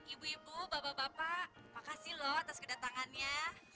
ibu ibu bapak bapak terima kasih atas kedatangannya